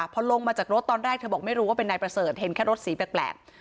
พอลงมาจากรถตอนแรกเธอบอกไม่รู้ว่าเป็นนายประเสริฐเห็นแค่รถสีแปลก